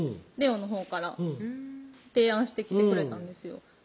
玲央のほうから提案してきてくれたんですよ